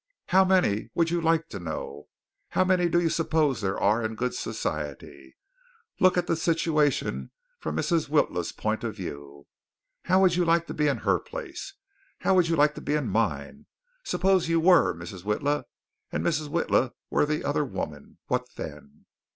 How many would you like to know? How many do you suppose there are in good society? Look at this situation from Mrs. Witla's point of view. How would you like to be in her place? How would you like to be in mine? Suppose you were Mrs. Witla and Mrs. Witla were the other woman. What then?"